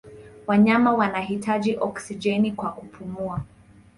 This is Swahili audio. Wanyama wanahitaji oksijeni kwa kupumua.